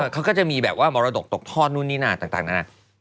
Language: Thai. เขาก็จะมีแบบว่ามรดกตกทอดนู่นนี่นั่นต่างนานา